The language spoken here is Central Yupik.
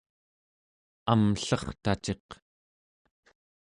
amllertaciq